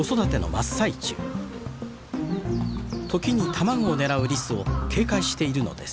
時に卵を狙うリスを警戒しているのです。